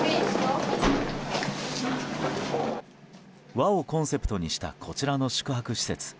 和をコンセプトにしたこちらの宿泊施設。